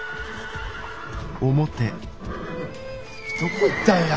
どこ行ったんや。